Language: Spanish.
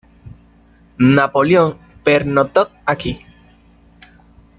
Napoleón, pernoctó aquí.